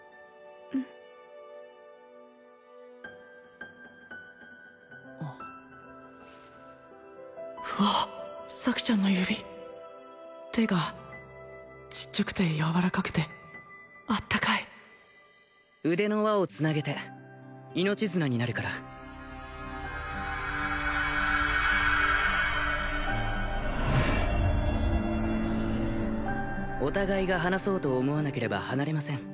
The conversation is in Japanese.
うんうわっ咲ちゃんの指手がちっちゃくてやわらかくてあったかい腕の輪をつなげて命綱になるからお互いが離そうと思わなければ離れません